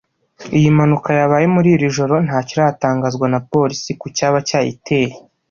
Iyi mpanuka yabaye muri iri joro ntakiratangazwa na Polisi ku cyaba cyayiteye